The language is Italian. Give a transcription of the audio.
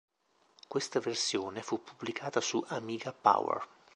Questa versione fu pubblicata su "Amiga Power".